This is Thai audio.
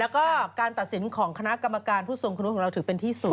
แล้วก็การตัดสินของคณะกรรมการผู้ทรงคุณวุฒิของเราถือเป็นที่สุด